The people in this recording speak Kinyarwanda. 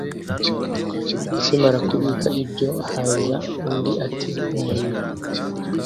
akimara kubika ibyo haza undi ati umuriro